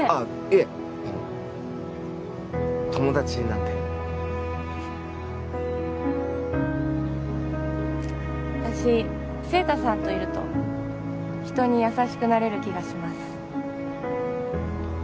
いえあの友達なんで私晴太さんといると人に優しくなれる気がします